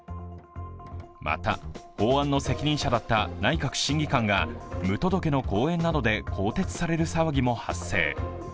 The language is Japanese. また、法案の責任者だった内閣審議官が無届けの講演などで更迭される騒ぎも発生。